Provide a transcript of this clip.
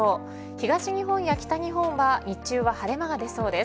東日本や北日本は日中は晴れ間が出そうです。